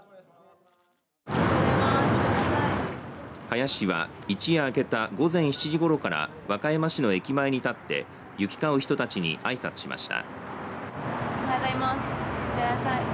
林氏は一夜明けた午前７時ごろから和歌山市の駅前に立って行き交う人たちにあいさつしました。